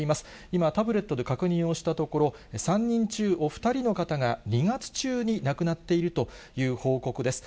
今、タブレットで確認をしたところ、３人中お２人の方が２月中に亡くなっているという報告です。